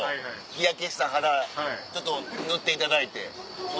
日焼けした肌ちょっと塗っていただいて。